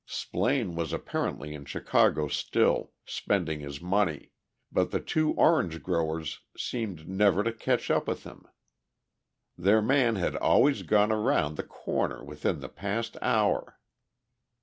Splaine was apparently in Chicago still, spending his money, but the two "Orange Growers" seemed never to catch up with him. Their man had always gone around the corner within the past hour.